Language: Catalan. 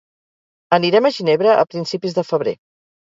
Anirem a Ginebra a principis de febrer.